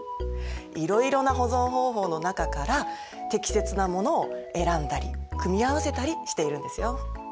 いろいろな保存方法の中から適切なものを選んだり組み合わせたりしているんですよ。